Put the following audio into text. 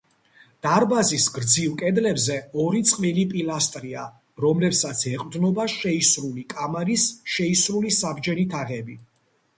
დარბაზის გრძივ კედლებზე ორი წყვილი პილასტრია, რომლებსაც ეყრდნობა შეისრული კამარის შეისრული საბჯენი თაღები.